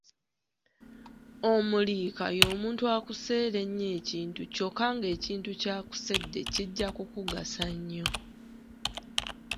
Omuliika y'omuntu akuseera ennyo ekintu kyokka ng’ekintu ky’akusedde kijja kukugasa nnyo.